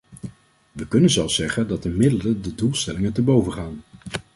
We kunnen zelfs zeggen dat de middelen de doelstellingen te boven gaan.